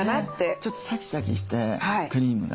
ちょっとシャキシャキしてクリームが。